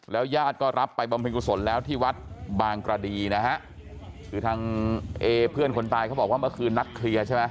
ญาติก็รับไปบำเพ็ญกุศลแล้วที่วัดบางกระดีนะฮะคือทางเอเพื่อนคนตายเขาบอกว่าเมื่อคืนนัดเคลียร์ใช่ไหม